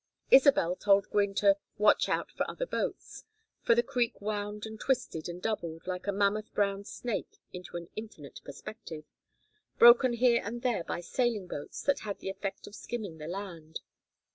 Isabel told Gwynne to "watch out for other boats," for the creek wound and twisted and doubled like a mammoth brown snake into an infinite perspective, broken here and there by sailing boats that had the effect of skimming the land.